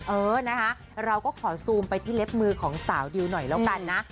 เออนะคะเราก็ขอซูมไปที่เล็บมือของสาวดิวหน่อยแล้วกันนะ